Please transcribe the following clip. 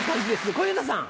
小遊三さん。